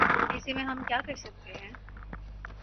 ایسے میں ہم کیا کر سکتے ہیں ۔